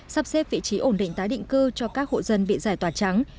sắp xếp vị trí ổn định tái định cư cho các hộ dân bị giải tỏa trắng